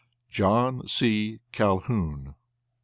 JOHN C. CALHOUN.